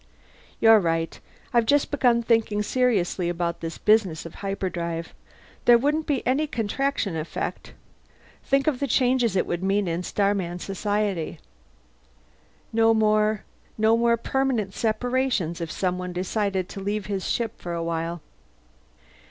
"You're right. I've just begun thinking seriously about this business of hyperdrive. There wouldn't be any Contraction effect. Think of the changes it would mean in Starman society! No more no more permanent separations if someone decides to leave his ship for a while."